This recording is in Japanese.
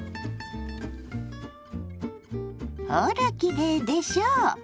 ほらきれいでしょ